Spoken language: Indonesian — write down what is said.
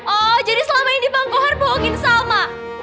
oh jadi selama ini bang kohar bohongin sama